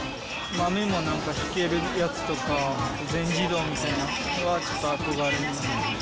豆もひけるやつとか、全自動みたいなのは、ちょっと憧れますね。